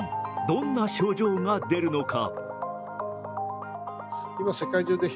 どんな症状が出るのか？